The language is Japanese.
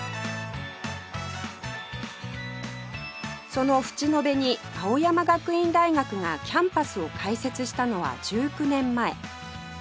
その淵野辺に青山学院大学がキャンパスを開設したのは１９年前